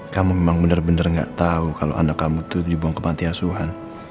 kamu memang benar benar gak tahu kalau anak kamu itu dibuang kemati asuhan